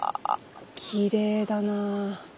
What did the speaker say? きれいだな。